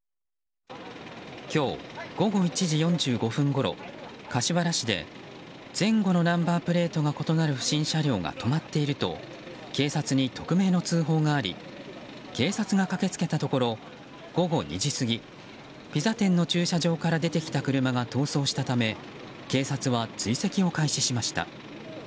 今日午後１時４５分ごろ柏原市で前後のナンバープレートが異なる不審車両が止まっていると警察に匿名の通報があり警察が駆け付けたところ午後２時過ぎピザ店の駐車場から出てきた車が逃走したため警察は追跡を開始しました。